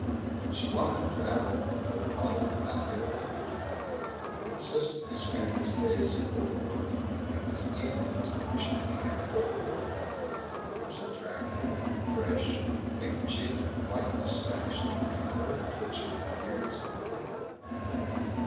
She wanted to travel, but her father could not get away. He consistently spent his days in overworking, and his evenings in wishing he hadn't overworked. He was attractive, fresh, pink cheeked, white mustached, and nerve twitching with years of detail.